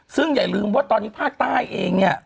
ซึ่งอย่าลืมว่าตอนนี้ภาคใต้เองเนี่ย